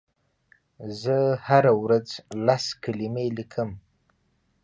زه هره ورځ لس کلمې لیکم.